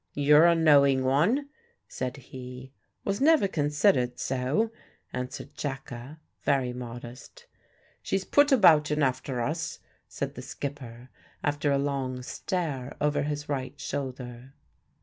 "You're a knowing one," said he. "Was never considered so," answered Jacka, very modest. "She's put about and after us," said the skipper, after a long stare over his right shoulder.